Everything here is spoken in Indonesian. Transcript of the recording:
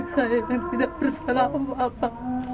saya yang tidak bersalah untuk apa